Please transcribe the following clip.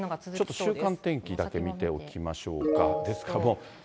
ちょっと週間天気、見ておきましょうか。